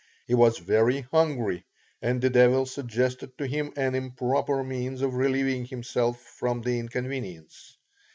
He was very hungry, and the devil suggested to him an improper means of relieving himself from the inconvenience.